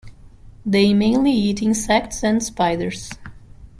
They mainly eat insects and spiders.